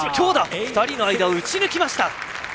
２人の間を打ち抜きました。